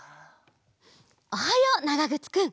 おはようながぐつくん！